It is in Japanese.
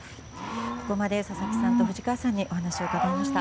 ここまで佐々木さんと藤川さんにお話を伺いました。